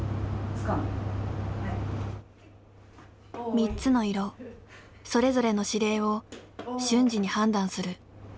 ３つの色それぞれの指令を瞬時に判断する。